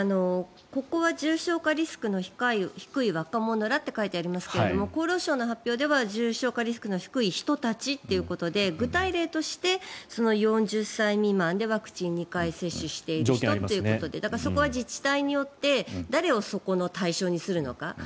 ここは重症化リスクの低い若者らと書いてありますが厚労省の発表では重症化リスクの低い人たちということで具体例として４０歳未満でワクチン２回接種している人ということでそこは自治体によって誰をそこの対象にするのか